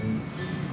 bumbunya itu meresap